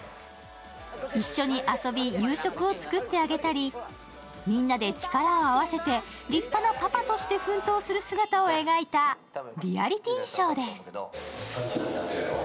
一緒に遊び夕食を作ってあげたりみんなで力を合わせて、立派なパパとして奮闘する姿を描いたリアリティーショーです。